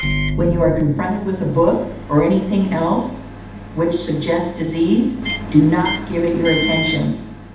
When you are confronted with a book, or anything else which suggests disease, do not give it your attention.